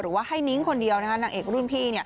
ว่าให้นิ้งคนเดียวนางเอกรุ่นพี่